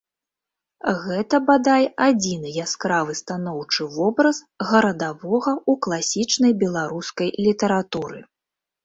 Гэта, бадай, адзіны яскравы станоўчы вобраз гарадавога ў класічнай беларускай літаратуры.